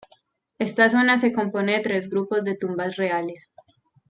Esta zona se compone de tres grupos de tumbas reales.